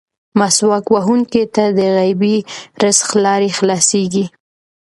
مسواک وهونکي ته د غیبي رزق لارې خلاصېږي.